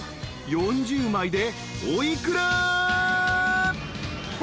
［４０枚でお幾ら？］